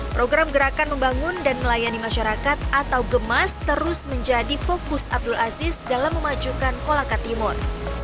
program gerakan membangun dan melayani masyarakat atau gemas terus menjadi fokus abdul aziz dalam memajukan kolaka timur